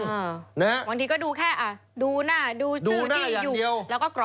นะฮะดูหน้าอย่างเดียวแล้วก็กรอกบางทีก็ดูแค่ดูหน้าดูชื่อที่อยู่